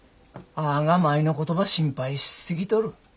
あが舞のことば心配し過ぎとる。